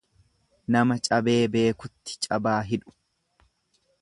Nama cabee beekutti cabaa hidhu.